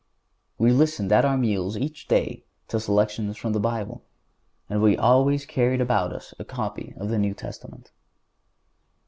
We listened at our meals each day to selections from the Bible, and we always carried about with us a copy of the New Testament.